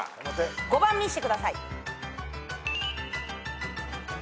５番見せてください。